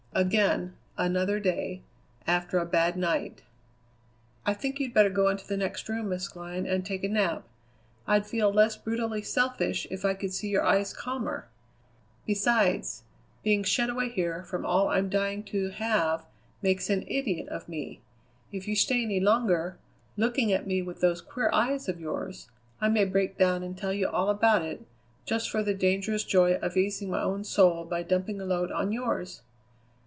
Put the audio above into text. Again, another day, after a bad night: "I think you'd better go into the next room, Miss Glynn, and take a nap. I'd feel less brutally selfish if I could see your eyes calmer. Besides, being shut away here from all I'm dying to have makes an idiot of me. If you stay any longer, looking at me with those queer eyes of yours, I may break down and tell you all about it, just for the dangerous joy of easing my own soul by dumping a load on yours.